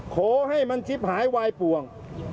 ขอให้มันชิบหายวายป่วง